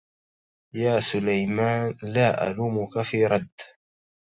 يا سليمان لا ألومك في رد